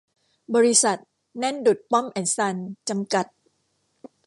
บริษัท แน่นดุจป้อมแอนด์ซันส์ จำกัด